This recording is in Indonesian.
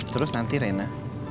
terus nanti rena